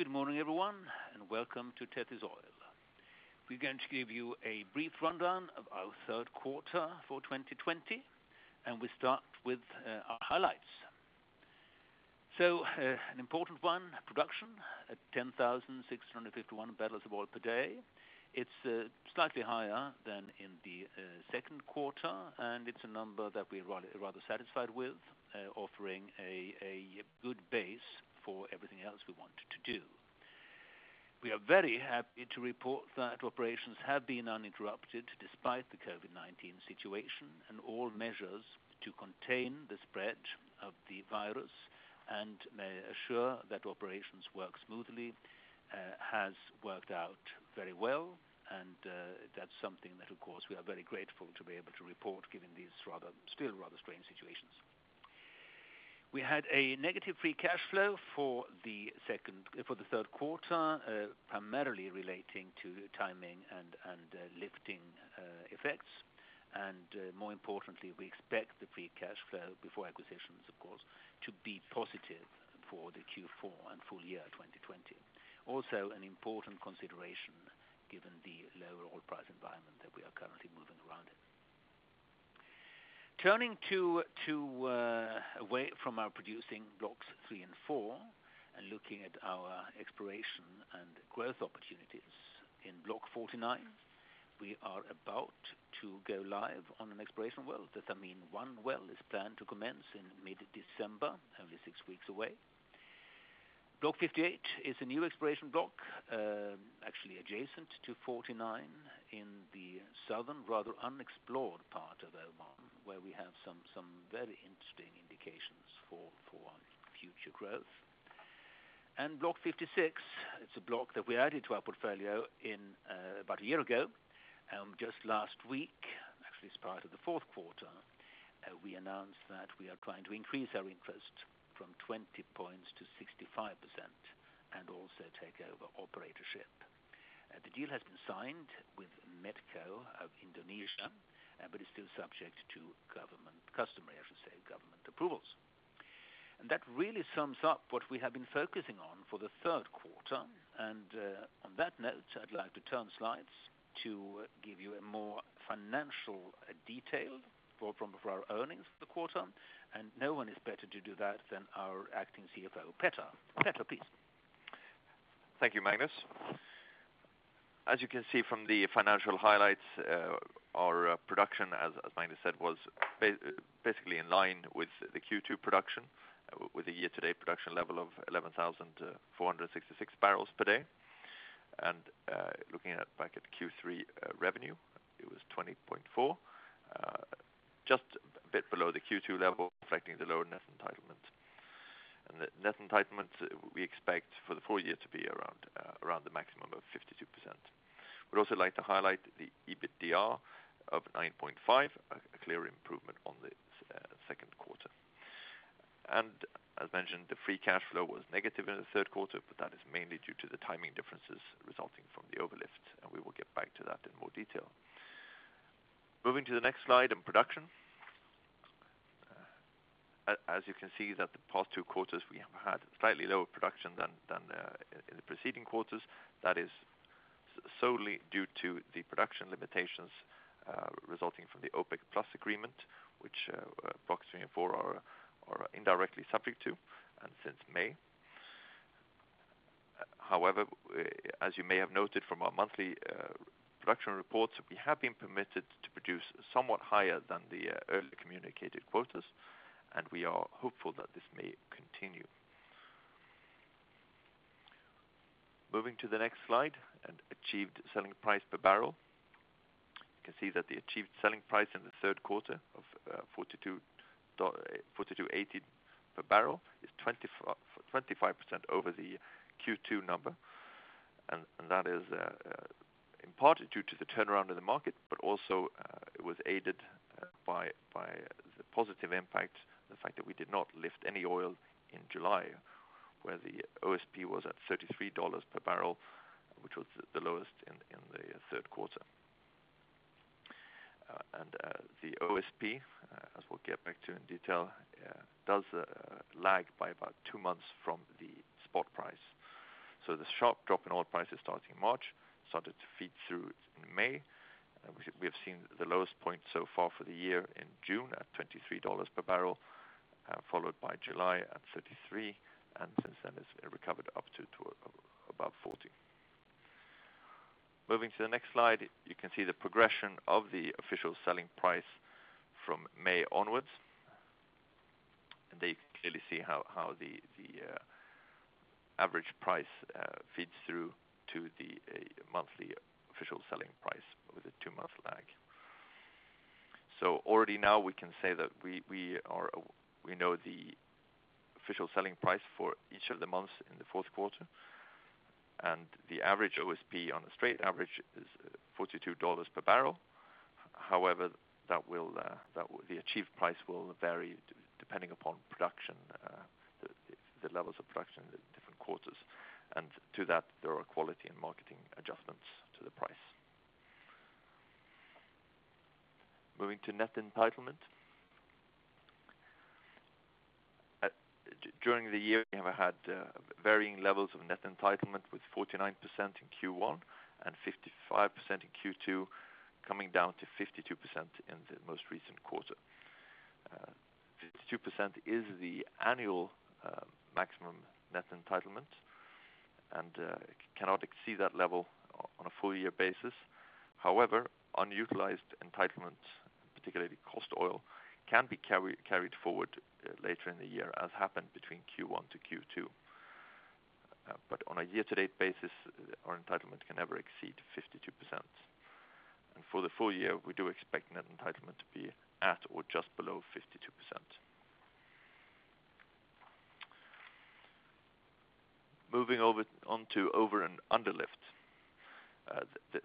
Good morning, everyone, and welcome to Tethys Oil. We're going to give you a brief rundown of our third quarter for 2020, and we start with our highlights. An important one, production at 10,651 barrels of oil per day. It's slightly higher than in the second quarter, and it's a number that we are rather satisfied with, offering a good base for everything else we want to do. We are very happy to report that operations have been uninterrupted despite the COVID-19 situation and all measures to contain the spread of the virus and assure that operations work smoothly has worked out very well, and that's something that, of course, we are very grateful to be able to report, given these still rather strange situations. We had a negative free cash flow for the third quarter, primarily relating to timing and lifting effects. More importantly, we expect the free cash flow, before acquisitions, of course, to be positive for the Q4 and full year 2020. Also an important consideration given the lower oil price environment that we are currently moving around in. Turning away from our producing Blocks 3 and 4, looking at our exploration and growth opportunities. In Block 49, we are about to go live on an exploration well, that I mean, one well is planned to commence in mid-December, only six weeks away. Block 58 is a new exploration block, actually adjacent to 49 in the southern, rather unexplored part of Oman, where we have some very interesting indications for future growth. Block 56, it's a block that we added to our portfolio about a year ago. Just last week, actually, as part of the fourth quarter, we announced that we are trying to increase our interest from 20 points to 65%, and also take over operatorship. The deal has been signed with Medco of Indonesia, is still subject to customary government approvals. That really sums up what we have been focusing on for the third quarter. On that note, I'd like to turn slides to give you a more financial detail from our earnings for the quarter, no one is better to do that than our acting CFO, Petter. Petter, please. Thank you, Magnus. As you can see from the financial highlights, our production, as Magnus said, was basically in line with the Q2 production, with a year-to-date production level of 11,466 barrels per day. Looking back at Q3 revenue, it was $20.4, just a bit below the Q2 level, reflecting the lower net entitlement. The net entitlement we expect for the full year to be around the maximum of 52%. We'd also like to highlight the EBITDA of $9.5, a clear improvement on the second quarter. As mentioned, the free cash flow was negative in the third quarter, that is mainly due to the timing differences resulting from the overlift, we will get back to that in more detail. Moving to the next slide in production. As you can see that the past two quarters, we have had slightly lower production than the preceding quarters. That is solely due to the production limitations resulting from the OPEC+ agreement, which Blocks 3 and 4 are indirectly subject to, and since May. As you may have noted from our monthly production reports, we have been permitted to produce somewhat higher than the early communicated quotas, and we are hopeful that this may continue. Moving to the next slide, and achieved selling price per barrel. You can see that the achieved selling price in the third quarter of $42.80 per barrel is 25% over the Q2 number, and that is in part due to the turnaround in the market, but also it was aided by the positive impact, the fact that we did not lift any oil in July, where the OSP was at $33 per barrel, which was the lowest in the third quarter. The OSP, as we'll get back to in detail, does lag by about two months from the spot price. The sharp drop in oil prices starting in March started to feed through in May. We have seen the lowest point so far for the year in June at $23 per barrel, followed by July at $33, and since then it's recovered up to above $40. Moving to the next slide, you can see the progression of the official selling price from May onwards. There you can clearly see how the average price feeds through to the monthly official selling price with a two month lag. Already now we can say that we know the official selling price for each of the months in the fourth quarter, and the average OSP on a straight average is $42 per barrel. However, the achieved price will vary depending upon production, the levels of production in the different quarters, and to that, there are quality and marketing adjustments to the price. Moving to net entitlement. During the year, we have had varying levels of net entitlement with 49% in Q1 and 55% in Q2, coming down to 52% in the most recent quarter. 52% is the annual maximum net entitlement and cannot exceed that level on a full year basis. However, unutilized entitlements, particularly cost oil, can be carried forward later in the year, as happened between Q1 to Q2. On a year-to-date basis, our entitlement can never exceed 52%. For the full year, we do expect net entitlement to be at or just below 52%. Moving over onto over- and underlift.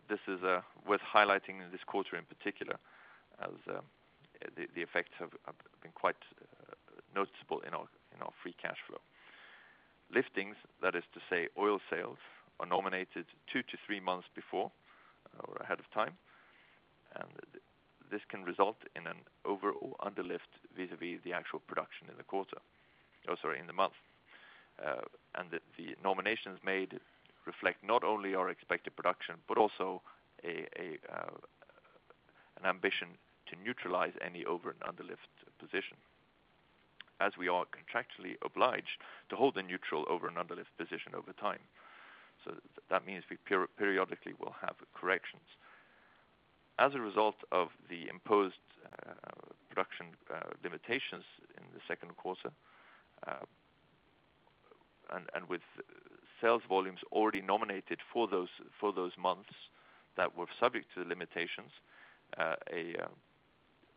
This is worth highlighting in this quarter in particular, as the effects have been quite noticeable in our free cash flow. Liftings, that is to say oil sales, are nominated two to three months before or ahead of time, and this can result in an over or underlift vis-a-vis the actual production in the month. The nominations made reflect not only our expected production, but also an ambition to neutralize any over- and underlift position as we are contractually obliged to hold a neutral over- and underlift position over time. That means we periodically will have corrections. As a result of the imposed production limitations in the second quarter, and with sales volumes already nominated for those months that were subject to the limitations,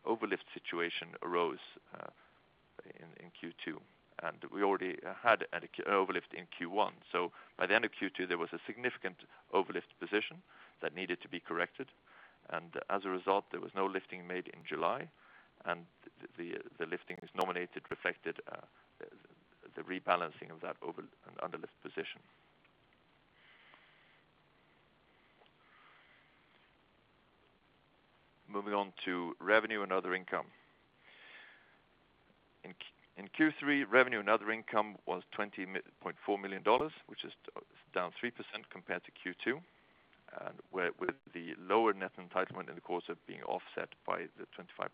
an overlift situation arose in Q2, and we already had an overlift in Q1. By the end of Q2, there was a significant overlift position that needed to be corrected, and as a result, there was no lifting made in July, and the lifting that's nominated reflected the rebalancing of that over- and underlift position. Moving on to revenue and other income. In Q3, revenue and other income was $20.4 million, which is down 3% compared to Q2, and with the lower net entitlement in the quarter being offset by the 25%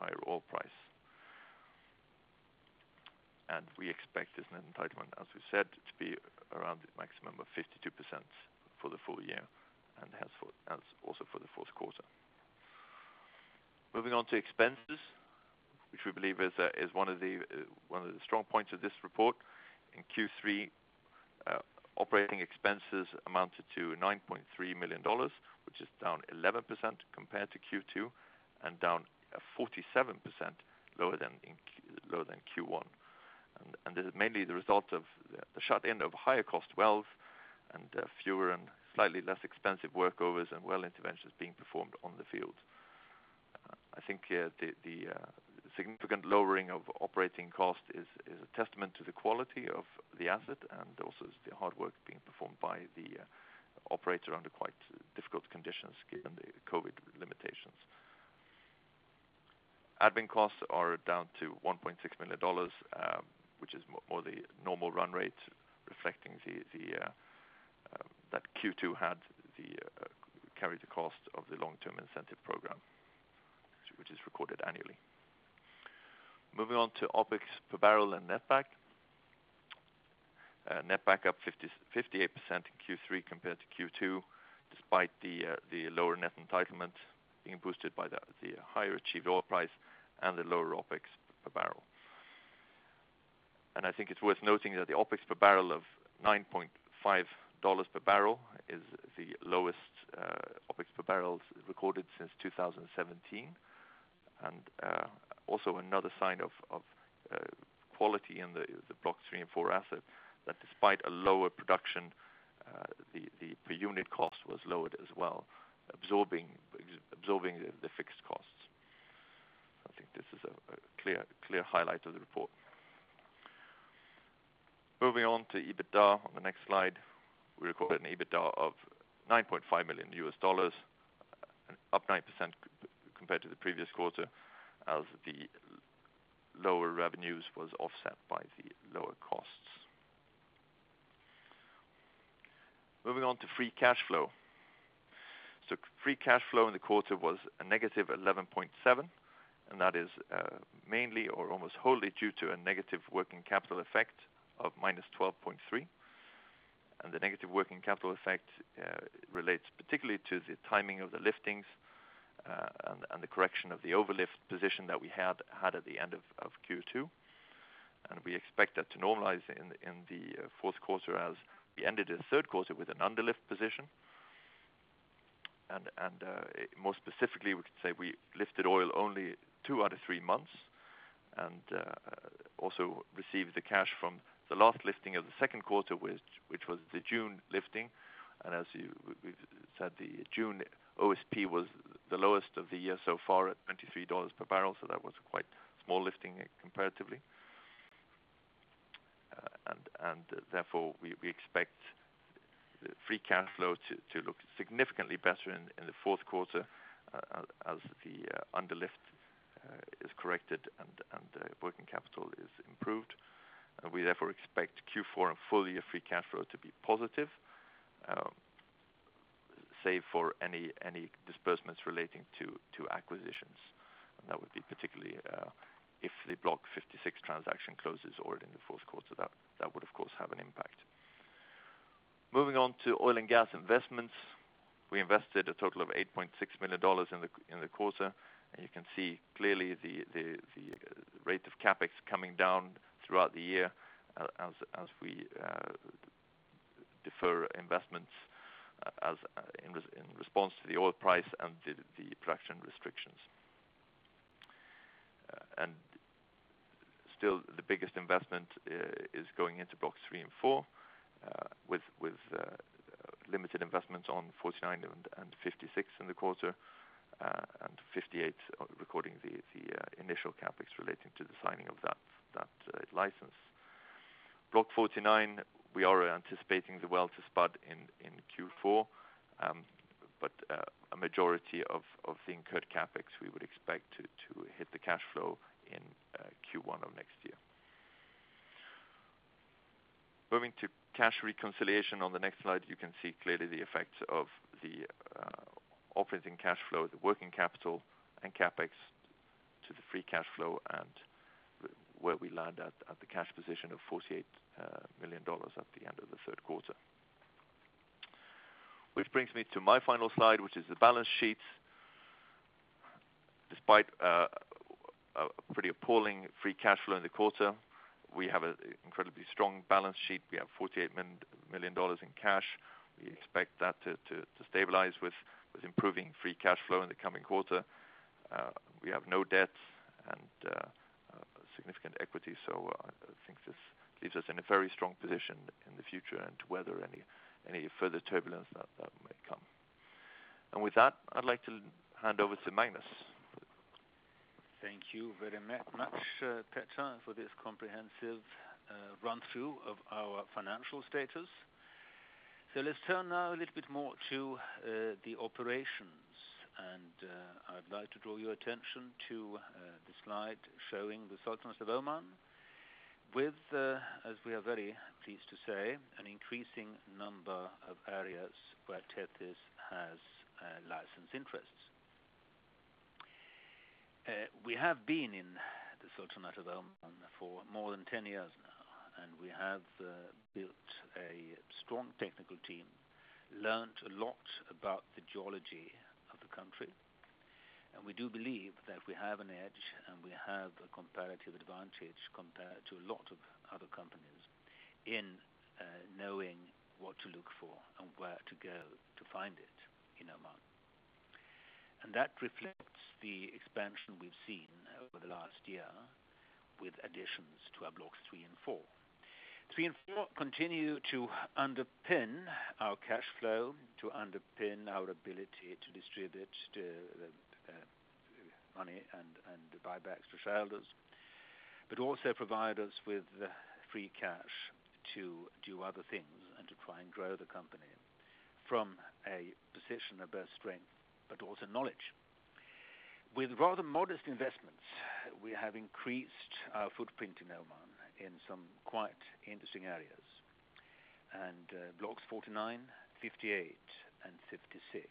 higher oil price. We expect this net entitlement, as we said, to be around the maximum of 52% for the full year and also for the fourth quarter. Moving on to expenses, which we believe is one of the strong points of this report. In Q3 operating expenses amounted to $9.3 million, which is down 11% compared to Q2 and down 47% lower than in Q1. This is mainly the result of the shut-in of higher cost wells and fewer and slightly less expensive workovers and well interventions being performed on the field. I think the significant lowering of operating cost is a testament to the quality of the asset and also the hard work being performed by the operator under quite difficult conditions given the COVID-19 limitations. Admin costs are down to $1.6 million, which is more the normal run rate, reflecting that Q2 carried the cost of the long-term incentive program, which is recorded annually. Moving on to OpEx per barrel and netback. Netback up 58% in Q3 compared to Q2, despite the lower net entitlement being boosted by the higher achieved oil price and the lower OpEx per barrel. I think it's worth noting that the OpEx per barrel of $9.50 per barrel is the lowest OpEx per barrel recorded since 2017. Also another sign of quality in the Block 3 and 4 asset that despite a lower production, the per unit cost was lowered as well, absorbing the fixed costs. I think this is a clear highlight of the report. Moving on to EBITDA on the next slide. We recorded an EBITDA of $9.5 million, up 9% compared to the previous quarter as the lower revenues was offset by the lower costs. Moving on to free cash flow. Free cash flow in the quarter was a negative $11.7, and that is mainly or almost wholly due to a negative working capital effect of -$12.3. The negative working capital effect relates particularly to the timing of the liftings and the correction of the overlift position that we had at the end of Q2. We expect that to normalize in the fourth quarter as we ended the third quarter with an underlift position. Most specifically, we could say we lifted oil only two out of three months and also received the cash from the last lifting of the second quarter, which was the June lifting. As we've said, the June OSP was the lowest of the year so far at $23 per barrel. That was quite small lifting comparatively. Therefore, we expect free cash flow to look significantly better in the fourth quarter as the underlift is corrected and working capital is improved. We therefore expect Q4 and full year free cash flow to be positive, save for any disbursements relating to acquisitions. That would be particularly if the Block 56 transaction closes or in the fourth quarter, that would, of course, have an impact. Moving on to oil and gas investments. We invested a total of $8.6 million in the quarter, you can see clearly the rate of CapEx coming down throughout the year as we defer investments in response to the oil price and the production restrictions. Still, the biggest investment is going into Blocks 3 and 4, with limited investments on 49 and 56 in the quarter, and 58 recording the initial CapEx relating to the signing of that license. Block 49, we are anticipating the well to spud in Q4. A majority of the incurred CapEx, we would expect to hit the cash flow in Q1 of next year. Moving to cash reconciliation. On the next slide, you can see clearly the effects of the operating cash flow, the working capital, and CapEx to the free cash flow, and where we land at the cash position of $48 million at the end of the third quarter. Which brings me to my final slide, which is the balance sheet. Despite a pretty appalling free cash flow in the quarter, we have an incredibly strong balance sheet. We have $48 million in cash. We expect that to stabilize with improving free cash flow in the coming quarter. We have no debt and significant equity. I think this leaves us in a very strong position in the future and to weather any further turbulence that might come. With that, I'd like to hand over to Magnus. Thank you very much, Petter, for this comprehensive run-through of our financial status. Let's turn now a little bit more to the operations. I'd like to draw your attention to the slide showing the Sultanate of Oman with, as we are very pleased to say, an increasing number of areas where Tethys has licensed interests. We have been in the Sultanate of Oman for more than 10 years now, and we have built a strong technical team, learnt a lot about the geology of the country. We do believe that we have an edge, and we have a comparative advantage compared to a lot of other companies in knowing what to look for and where to go to find it in Oman. That reflects the expansion we've seen over the last year with additions to our Blocks 3 and 4. 3 and 4 continue to underpin our cash flow, to underpin our ability to distribute money and buybacks for shareholders, but also provide us with free cash to do other things and to try and grow the company from a position of strength, but also knowledge. With rather modest investments, we have increased our footprint in Oman in some quite interesting areas. Blocks 49, 58, and 56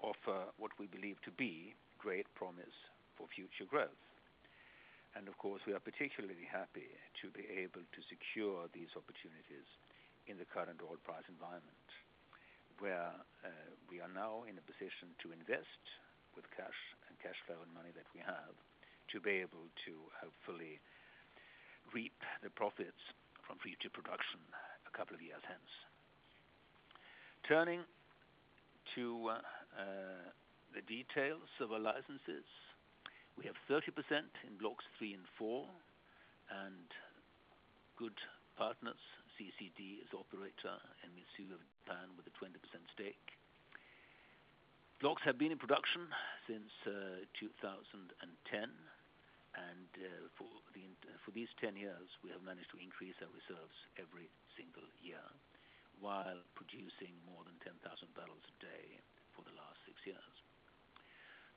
offer what we believe to be great promise for future growth. Of course, we are particularly happy to be able to secure these opportunities in the current oil price environment, where we are now in a position to invest with cash and cash flow and money that we have to be able to hopefully reap the profits from future production a couple of years hence. Turning to the details of our licenses. We have 30% in Blocks 3 and 4, and good partners, CCD, as operator, and Mitsui of Japan with a 20% stake. Blocks have been in production since 2010, and for these 10 years, we have managed to increase our reserves every single year while producing more than 10,000 barrels a day for the last six years.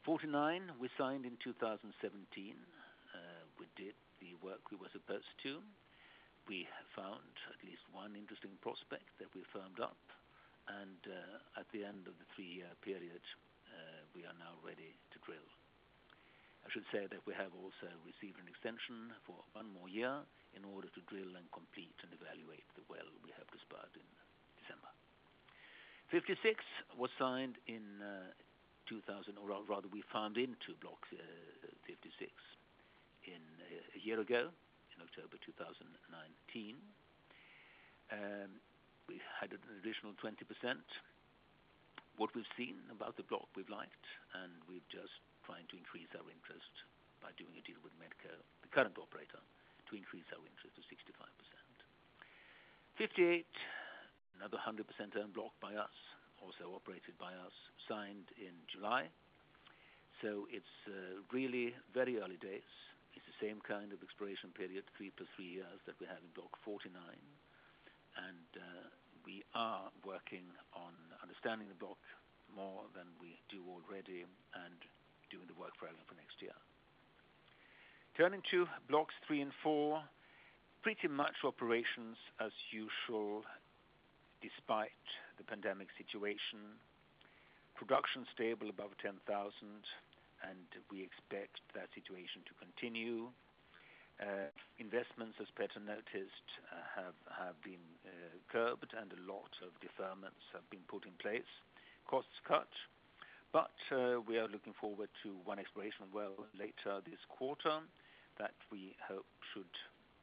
49, we signed in 2017. We did the work we were supposed to. We found at least one interesting prospect that we firmed up, and at the end of the three-year period, we are now ready to drill. I should say that we have also received an extension for one more year in order to drill and complete and evaluate the well we hope to spud in December. 56, we farmed into Block 56 a year ago in October 2019. We had an additional 20%. What we've seen about the block, we've liked, and we're just trying to increase our interest by doing a deal with Medco, the current operator, to increase our interest to 65%. 58, another 100% owned block by us, also operated by us, signed in July. So it's really very early days. It's the same kind of exploration period, three plus three years, that we have in Block 49. We are working on understanding the block more than we do already and doing the work relevant for next year. Turning to blocks 3 and 4, pretty much operations as usual, despite the pandemic situation. Production stable above 10,000. We expect that situation to continue. Investments, as Petter noticed, have been curbed and a lot of deferments have been put in place. Costs cut. We are looking forward to one exploration well later this quarter that we hope should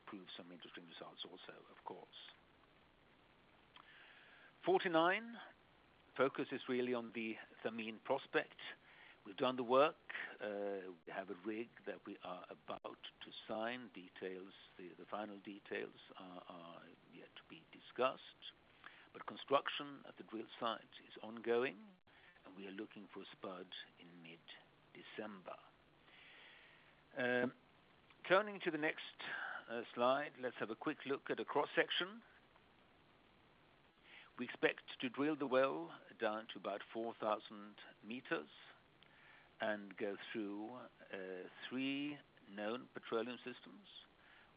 prove some interesting results also, of course. 49, focus is really on the Thameen prospect. We've done the work. We have a rig that we are about to sign. The final details are yet to be discussed, but construction at the drill site is ongoing, and we are looking for spud in mid-December. Turning to the next slide, let's have a quick look at a cross-section. We expect to drill the well down to about 4,000 m and go through three known petroleum systems,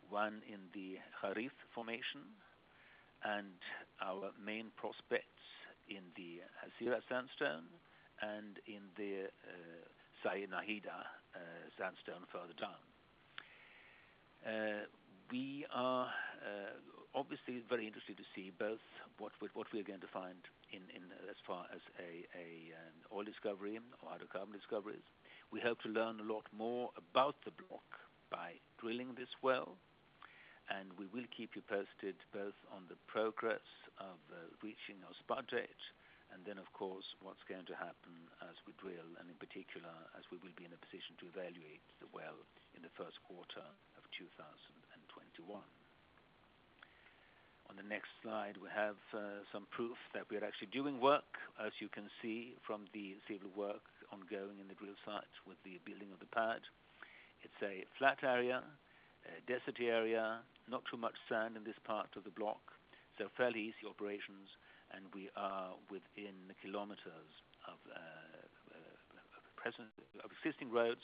one in the Khufai Formation and our main prospects in the [Hasirah Sandstone] and in the Saih Nihayda Formation further down. We are obviously very interested to see both what we're going to find in as far as an oil discovery or hydrocarbon discoveries. We hope to learn a lot more about the block by drilling this well. We will keep you posted both on the progress of reaching our spud date and then, of course, what's going to happen as we drill, and in particular, as we will be in a position to evaluate the well in the first quarter of 2021. On the next slide, we have some proof that we are actually doing work, as you can see from the civil work ongoing in the drill site with the building of the pad. It's a flat area, a desert area, not too much sand in this part of the block, so fairly easy operations. We are within kilometers of existing roads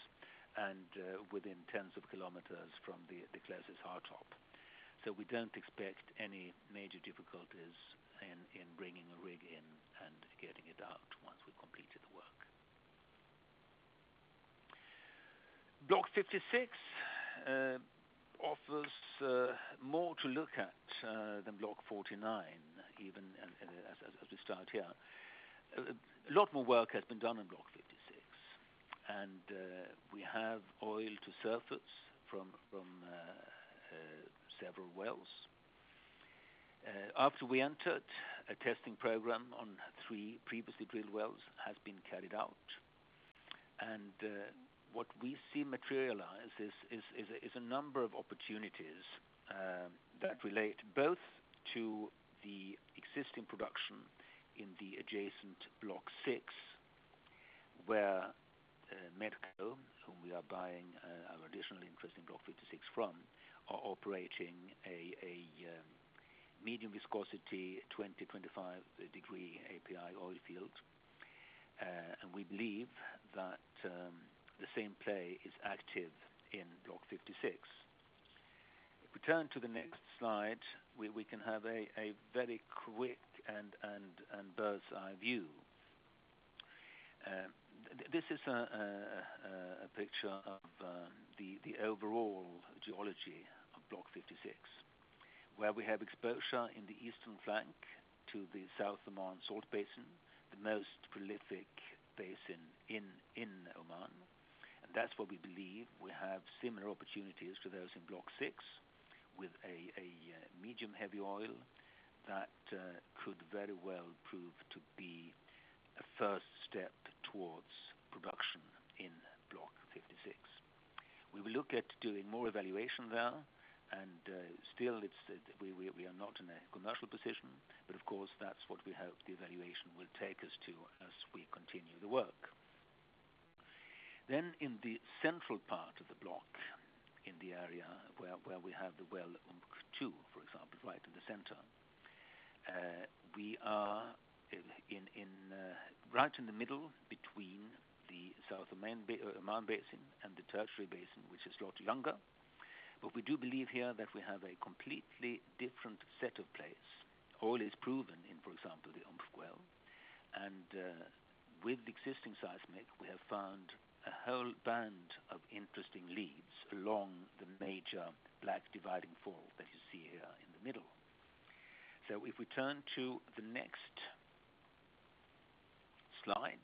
and within tens of kilometers from the closest hard top. We don't expect any major difficulties in bringing a rig in and getting it out once we've completed the work. Block 56 offers more to look at than Block 49, even as we start here. A lot more work has been done on Block 56, and we have oil to surface from several wells. After we entered, a testing program on three previously drilled wells has been carried out. What we see materialize is a number of opportunities that relate both to the existing production in the adjacent Block 6, where Medco, whom we are buying our additional interest in Block 56 from, are operating a medium viscosity 20-25 degree API oil field. We believe that the same play is active in Block 56. If we turn to the next slide, we can have a very quick and bird's-eye view. This is a picture of the overall geology of Block 56, where we have exposure in the eastern flank to the South Oman Salt Basin, the most prolific basin in Oman. That's why we believe we have similar opportunities to those in Block 6 with a medium heavy oil that could very well prove to be a first step towards production in Block 56. We will look at doing more evaluation there, and still we are not in a commercial position. Of course, that's what we hope the evaluation will take us to as we continue the work. In the central part of the block, in the area where we have the [Well Umq-2], for example, right in the center. We are right in the middle between the South Oman Basin and the Tertiary Basin, which is a lot younger. We do believe here that we have a completely different set of plays. Oil is proven in, for example, the Umq well, and with the existing seismic, we have found a whole band of interesting leads along the major [block] dividing fault that you see here in the middle. If we turn to the next slide,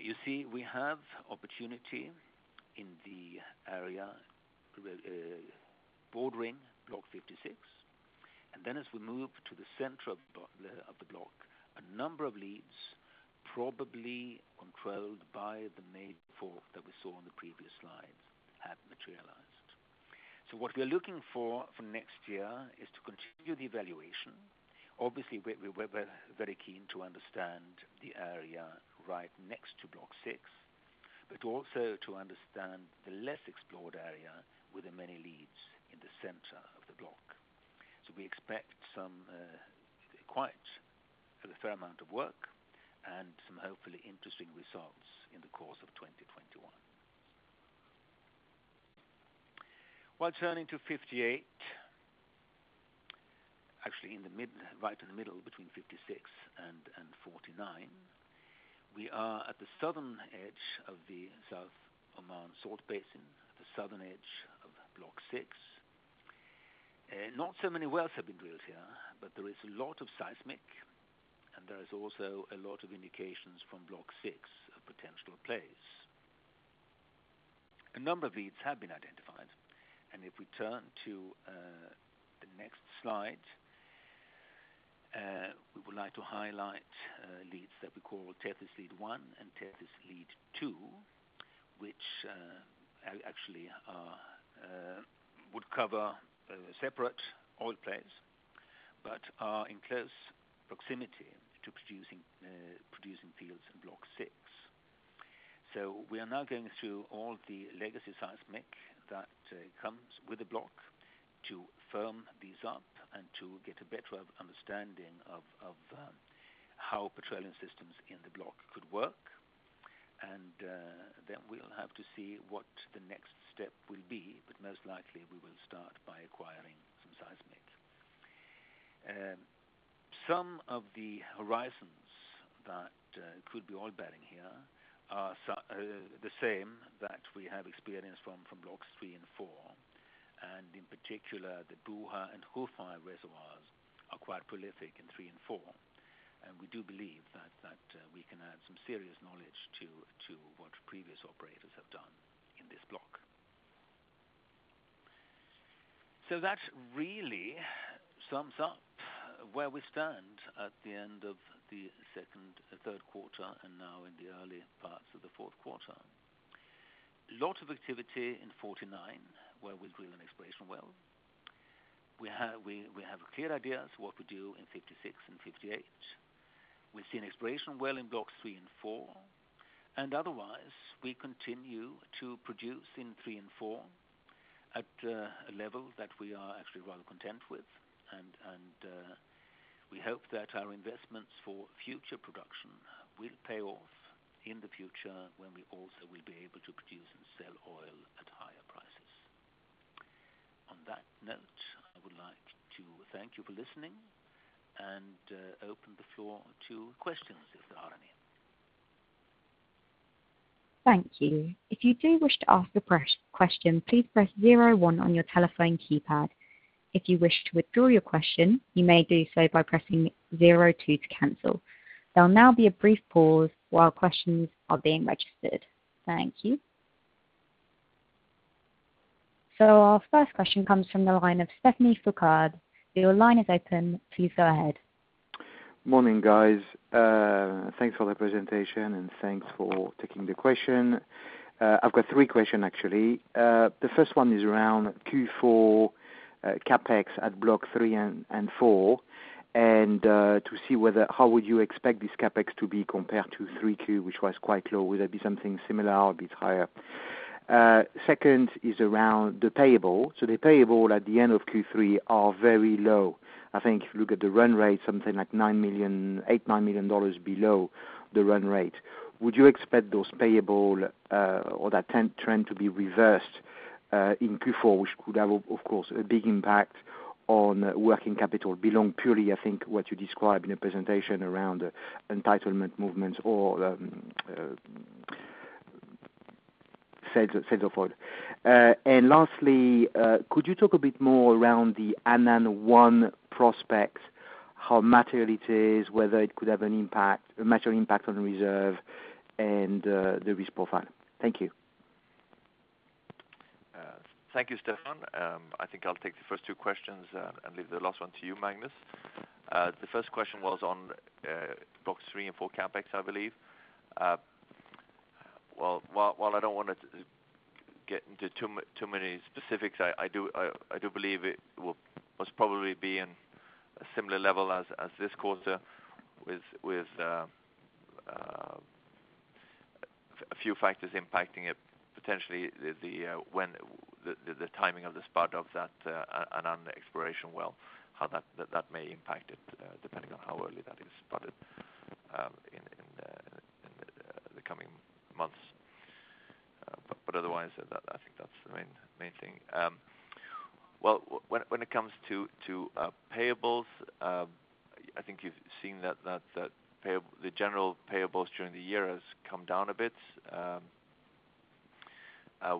you see we have opportunity in the area bordering Block 56. As we move to the center of the block, a number of leads probably controlled by the main fault that we saw on the previous slides have materialized. What we are looking for next year is to continue the evaluation. Obviously, we're very keen to understand the area right next to Block 6, but also to understand the less explored area with the many leads in the center of the block. We expect quite a fair amount of work and some hopefully interesting results in the course of 2021. While turning to 58, actually right in the middle between 56 and 49, we are at the southern edge of the South Oman Salt Basin, the southern edge of Block 6. Not so many wells have been drilled here, but there is a lot of seismic, and there is also a lot of indications from Block 6 of potential plays. A number of leads have been identified, and if we turn to the next slide, we would like to highlight leads that we call Tethys Lead 1 and Tethys Lead 2, which actually would cover separate oil plays, but are in close proximity to producing fields in Block 6. We are now going through all the legacy seismic that comes with a block to firm these up and to get a better understanding of how petroleum systems in the block could work. Then we'll have to see what the next step will be, but most likely we will start by acquiring some seismic. Some of the horizons that could be oil-bearing here are the same that we have experience from Blocks 3 and 4, and in particular, the Buah and Haradh reservoirs are quite prolific in 3 and 4. We do believe that we can add some serious knowledge to what previous operators have done in this block. That really sums up where we stand at the end of the third quarter, and now in the early parts of the fourth quarter. Lot of activity in 49, where we drill an exploration well. We have clear ideas what we do in 56 and 58. We see an exploration well in blocks three and four. Otherwise, we continue to produce in three and four at a level that we are actually rather content with, and we hope that our investments for future production will pay off in the future when we also will be able to produce and sell oil at higher prices. On that note, I would like to thank you for listening and open the floor to questions if there are any. Our first question comes from the line of [Stéphanie Foucard]. Your line is open. Please go ahead. Morning, guys. Thanks for the presentation and thanks for taking the question. I've got three question actually. The first one is around Q4 CapEx at Block 3 and 4. To see how would you expect this CapEx to be compared to 3Q, which was quite low? Will it be something similar, a bit higher? Second, is around the payable. The payable at the end of Q3 are very low. I think if you look at the run rate, something like $8 million, $9 million below the run rate. Would you expect those payable or that trend to be reversed in Q4, which could have, of course, a big impact on working capital beyond purely, I think, what you described in the presentation around entitlement movements or sales effort? Lastly, could you talk a bit more around the Anan-1 prospects, how material it is, whether it could have a material impact on reserves and the risk profile? Thank you. Thank you, Stéphanie. I think I'll take the first two questions and leave the last one to you, Magnus. The first question was on Block 3 and 4 CapEx, I believe. While I don't want to get into too many specifics, I do believe it will most probably be in a similar level as this quarter with a few factors impacting it. Potentially, the timing of the spud of that Anan exploration well, how that may impact it, depending on how early that is spudded in the coming months. Otherwise, I think that's the main thing. When it comes to payables, I think you've seen that the general payables during the year has come down a bit.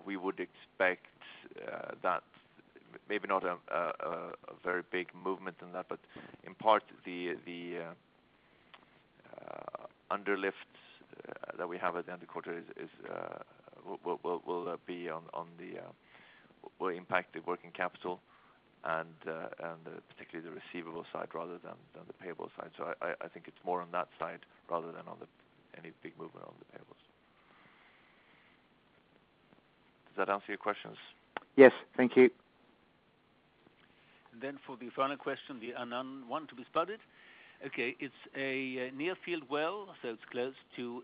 We would expect that maybe not a very big movement in that, but in part, the underlift that we have at the end of the quarter will impact the working capital and particularly the receivable side rather than the payable side. I think it's more on that side rather than any big movement on the payables. Does that answer your questions? Yes. Thank you. Then for the final question, the [unknown one to be spotted]. Okay. It's a near field well, so it's close to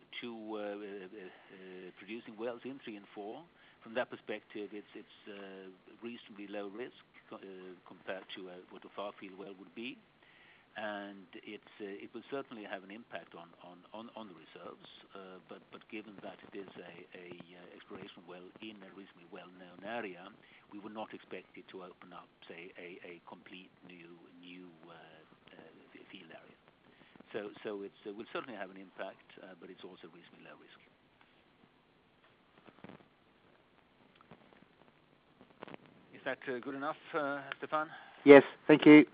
producing wells in three and four. From that perspective, it's reasonably low risk compared to what a far field well would be. It will certainly have an impact on the reserves. Given that it is a exploration well in a reasonably well-known area, we would not expect it to open up, say, a complete new field area. It will certainly have an impact, but it's also reasonably low risk. Is that good enough, [Stefan]? Yes. Thank you.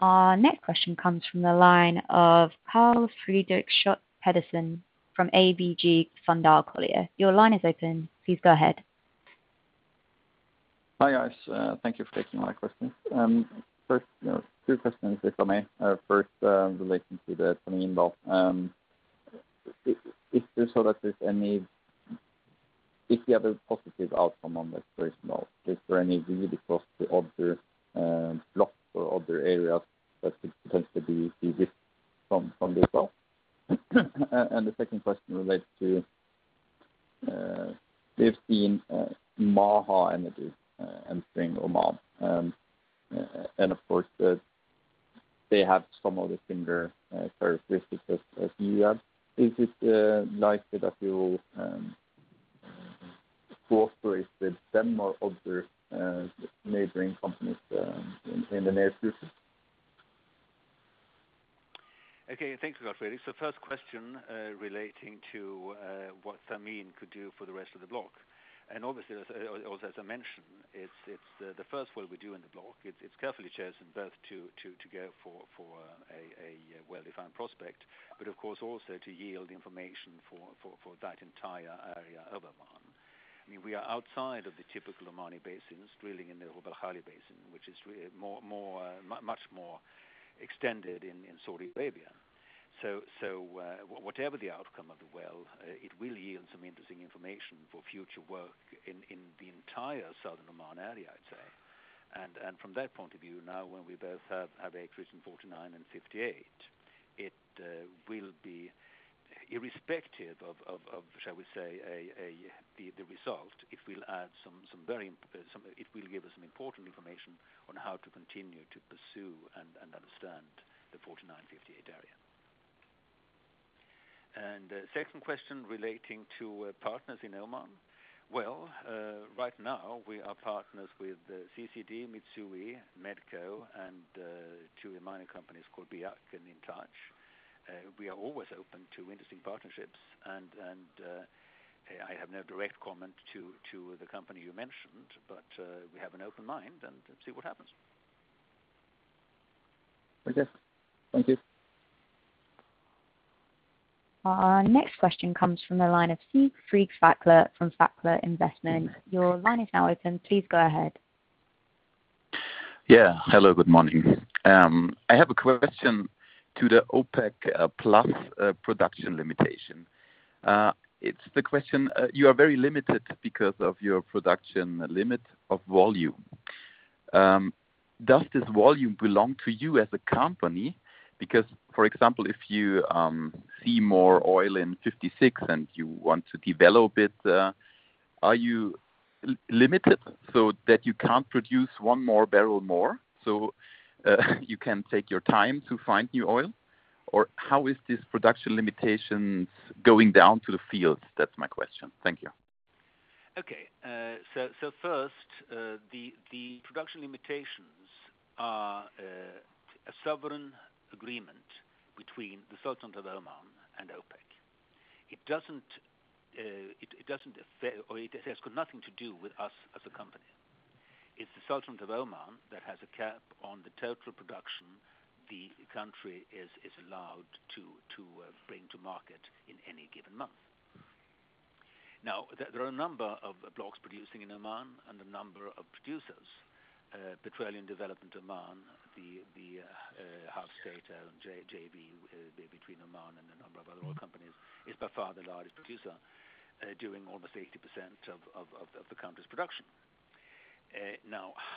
Our next question comes from the line of Karl Fredrik Schjøtt-Pedersen from ABG Sundal Collier. Your line is open. Please go ahead. Hi, guys. Thank you for taking my questions. First, two questions, if I may. First, relating to the Thameen block. If you have a positive outcome on exploration well, is there any view across the other blocks or other areas that could potentially be de-risked from this well? The second question relates to, we've seen Maha Energy entering Oman, and of course, they have some of the similar characteristics as you have. Is it likely that you will cooperate with them or other neighboring companies in the near future? Okay, thanks a lot, Fredrik. First question, relating to what Thameen could do for the rest of the block. Obviously, also as I mentioned, it's the first well we do in the block. It's carefully chosen both to go for a well-defined prospect, but of course also to yield information for that entire area of Oman. We are outside of the typical Omani basins, drilling in the Rub Al-Khali basin, which is much more extended in Saudi Arabia. Whatever the outcome of the well, it will yield some interesting information for future work in the entire southern Oman area, I'd say. From that point of view, now when we both have acres in 49 and 58, it will be irrespective of, shall we say, the result. It will give us some important information on how to continue to pursue and understand the 49, 58 area. Second question relating to partners in Oman. Well, right now we are partners with CCD, Mitsui, Medco, and two minor companies called Biyaq and Intaj. We are always open to interesting partnerships, and I have no direct comment to the company you mentioned, but we have an open mind and see what happens. Okay. Thank you. Our next question comes from the line of Siegfried Fackler from Fackler Investment. Your line is now open. Please go ahead. Yeah. Hello, good morning. I have a question to the OPEC+ production limitation. You are very limited because of your production limit of volume. Does this volume belong to you as a company? For example, if you see more oil in 56 and you want to develop it, are you limited so that you can't produce one more barrel more, so you can take your time to find new oil? How is this production limitations going down to the field? That's my question. Thank you. Okay. First, the production limitations are a sovereign agreement between the Sultanate of Oman and OPEC. It has got nothing to do with us as a company. It's the Sultan of Oman that has a cap on the total production the country is allowed to bring to market in any given month. There are a number of blocks producing in Oman and a number of producers. Petroleum Development Oman, the half state JV between Oman and a number of other oil companies, is by far the largest producer, doing almost 80% of the country's production.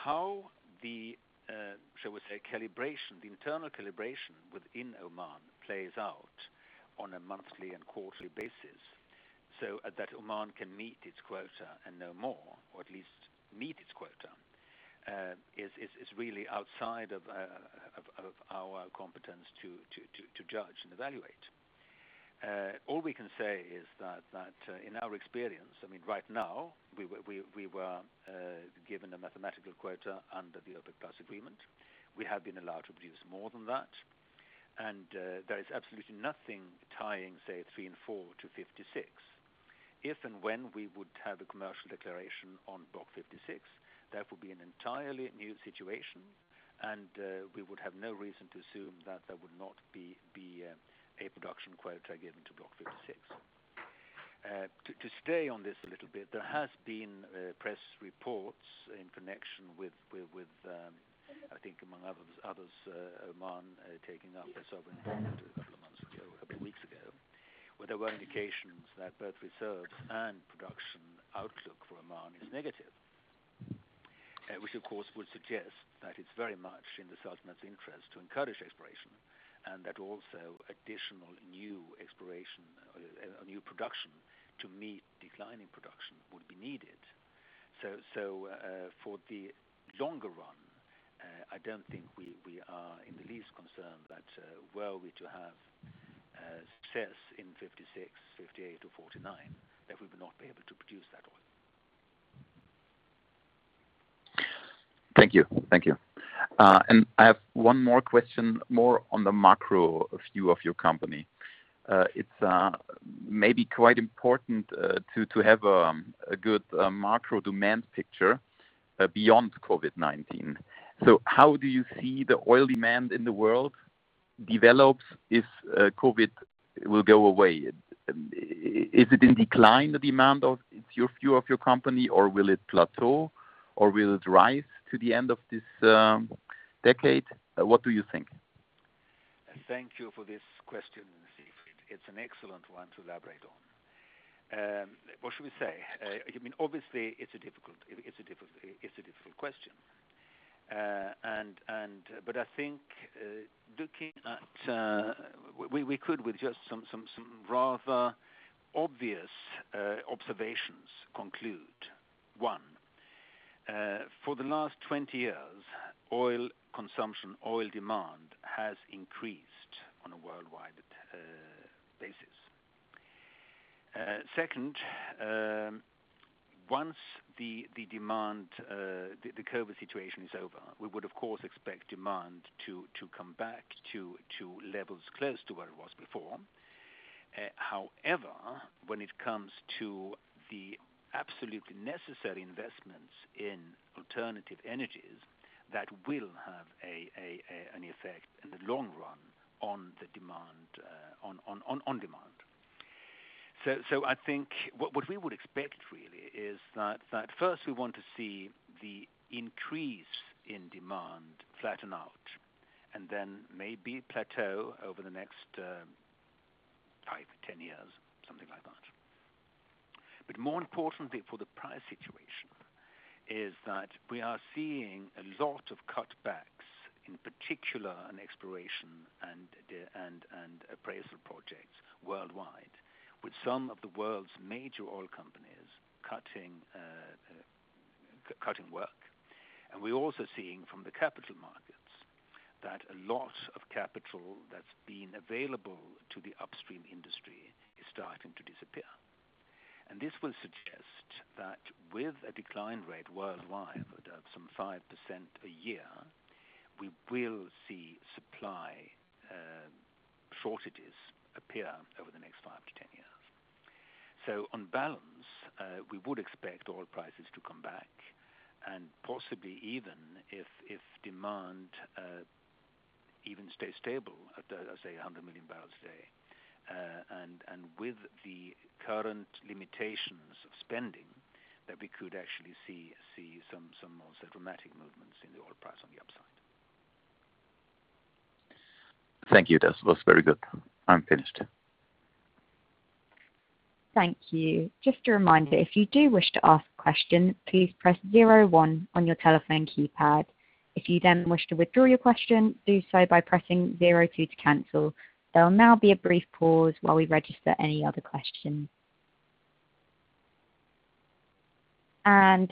How the internal calibration within Oman plays out on a monthly and quarterly basis so that Oman can meet its quota and no more, or at least meet its quota, is really outside of our competence to judge and evaluate. All we can say is that in our experience, right now, we were given a mathematical quota under the OPEC+ agreement. We have been allowed to produce more than that, and there is absolutely nothing tying, say, Block 3 and 4 to Block 56. If and when we would have a commercial declaration on Block 56, that would be an entirely new situation, and we would have no reason to assume that there would not be a production quota given to Block 56. To stay on this a little bit, there has been press reports in connection with, I think among others, Oman taking up a sovereign bond a couple of weeks ago, where there were indications that both reserves and production outlook for Oman is negative. Which of course would suggest that it's very much in the Sultanate's interest to encourage exploration, and that also additional new exploration, new production to meet declining production would be needed. For the longer run, I don't think we are in the least concerned that were we to have success in 56, 58 or 49, that we would not be able to produce that oil. Thank you. I have one more question, more on the macro view of your company. It's maybe quite important to have a good macro demand picture beyond COVID-19. How do you see the oil demand in the world develop if COVID will go away? Is it in decline, the demand of your company, or will it plateau, or will it rise to the end of this decade? What do you think? Thank you for this question, Siegfried. It's an excellent one to elaborate on. What should we say? Obviously it's a difficult question. I think, looking at we could with just some rather obvious observations conclude, one, for the last 20 years, oil consumption, oil demand has increased on a worldwide basis. Second, once the COVID-19 situation is over, we would of course expect demand to come back to levels close to where it was before. When it comes to the absolutely necessary investments in alternative energies, that will have an effect in the long run on demand. I think what we would expect really is that first we want to see the increase in demand flatten out and then maybe plateau over the next five, 10 years, something like that. More importantly for the price situation is that we are seeing a lot of cutbacks, in particular on exploration and appraisal projects worldwide, with some of the world's major oil companies cutting work. We're also seeing from the capital markets that a lot of capital that's been available to the upstream industry is starting to disappear. This will suggest that with a decline rate worldwide of some 5% a year, we will see supply shortages appear over the next five to 10 years. On balance, we would expect oil prices to come back and possibly even if demand even stays stable at, say, 100 million barrels a day. With the current limitations of spending, that we could actually see some more dramatic movements in the oil price on the upside. Thank you. That was very good. I'm finished. Thank you. Just a reminder, if you do wish to ask a question, please press zero one on your telephone keypad. If you then wish to withdraw your question, do so by pressing zero two to cancel. There will now be a brief pause while we register any other questions.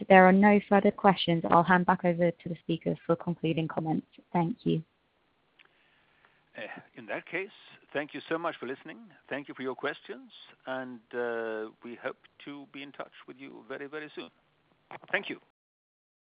There are no further questions. I'll hand back over to the speakers for concluding comments. Thank you. In that case, thank you so much for listening. Thank you for your questions, and we hope to be in touch with you very soon. Thank you.